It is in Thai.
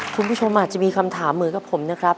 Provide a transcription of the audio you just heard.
คุณผู้ชมอาจจะมีคำถามเหมือนกับผมนะครับ